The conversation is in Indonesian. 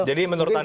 jadi menurut anda